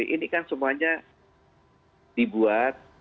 ini kan semuanya dibuat